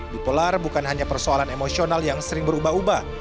bipolar bukan hanya persoalan emosional yang sering berubah ubah